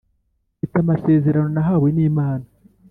Mfite amasezerano nahawe nimana